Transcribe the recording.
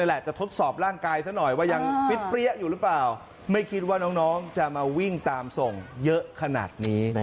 แหมคิดว่าน้องจะมาวิ่งตามส่งเยอะขนาดนี้